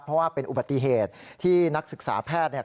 เพราะว่าเป็นอุบัติเหตุที่นักศึกษาแพทย์เนี่ย